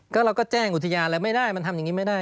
ก็เราก็แจ้งอุทยานอะไรไม่ได้มันทำอย่างนี้ไม่ได้